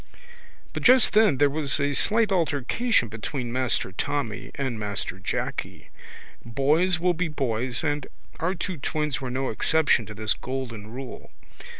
But just then there was a slight altercation between Master Tommy and Master Jacky. Boys will be boys and our two twins were no exception to this golden rule.